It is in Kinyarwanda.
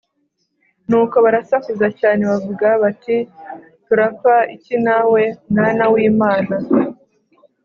Nuko barasakuza cyane bavuga bati turapfa iki nawe Mwana w Imana